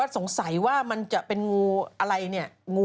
สงสัยว่ามันจะเป็นงูอะไรเนี่ยงู